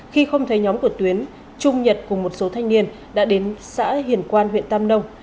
khi không thấy nhóm của tuyến trung nhật cùng một số thanh niên đã đến xã hiền quan huyện tam nông